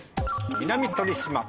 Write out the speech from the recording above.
「南鳥島」。